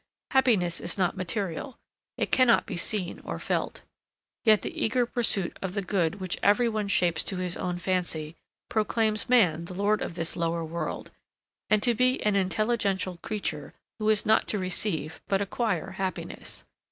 Happiness is not material, it cannot be seen or felt! Yet the eager pursuit of the good which every one shapes to his own fancy, proclaims man the lord of this lower world, and to be an intelligential creature, who is not to receive, but acquire happiness.